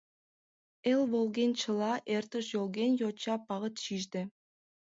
Эр волгенчыла эртыш йолген йоча пагыт шижде…